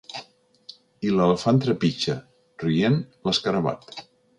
I l’elefant trepitja, rient, l’escarabat.